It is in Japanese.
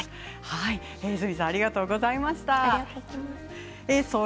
角さんありがとうございました。